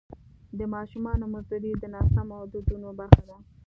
د ماشومانو مزدوري د ناسمو دودونو برخه ده.